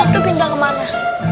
itu pindah kemana